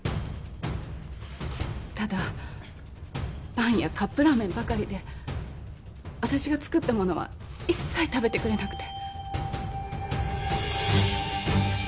ただパンやカップラーメンばかりで私が作ったものは一切食べてくれなくて。